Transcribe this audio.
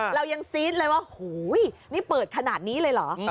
เรายังซีดเลยว่านี่เปิดขนาดนี้เลยเหรอ